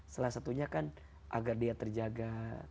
salah satunya kan agar dia terjaga